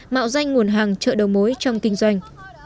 mạo danh nguồn hàng chợ đầu mối trong kinh doanh